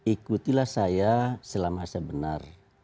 ikutilah saya selama saya benar